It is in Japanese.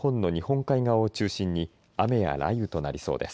夕方からは北日本の日本海側を中心に雨や雷雨となりそうです。